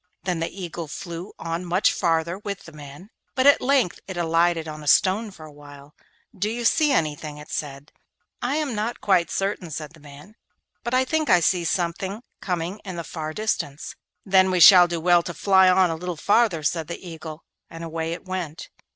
Then the Eagle flew on much farther with the man, but at length it alighted on a stone for a while. 'Do you see anything?' it said. 'I am not quite certain,' said the man, 'but I think I see something coming in the far distance.' 'Then we shall do well to fly on a little farther,' said the Eagle, and away it went.